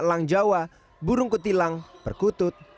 elang jawa burung kutilang perkutut